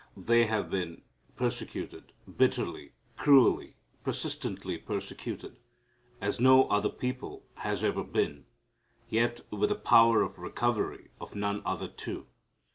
They have been persecuted, bitterly, cruelly, persistently persecuted, as no other people has ever been, yet with a power of recovery of none other too.